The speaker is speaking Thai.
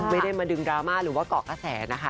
ไม่ได้มาดึงดราม่าหรือว่าเกาะกระแสนะคะ